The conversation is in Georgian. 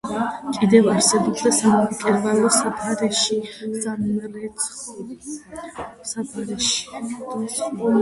კიდევ არსებობდა სამკერვალო საფარეშო, სამრეცხაო საფარეშო და სხვა.